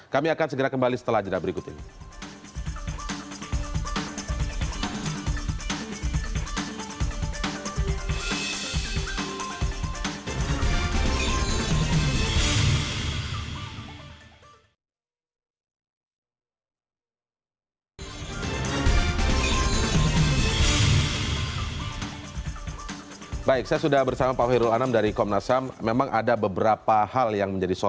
kami akan segera kembali setelah jadwal berikut ini